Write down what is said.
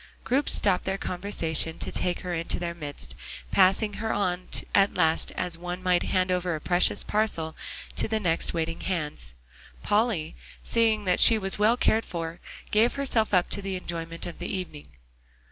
Groups stopped their conversation to take her into their midst, passing her on at last as one might hand over a precious parcel to the next waiting hands. Polly, seeing that she was well cared for, gave herself up to the enjoyment of the evening.